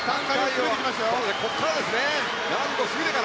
ここからですね。